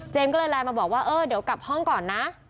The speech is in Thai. เจมส์ก็เลยลายมาบอกว่าเดี๋ยวกลับห้องก่อนนะ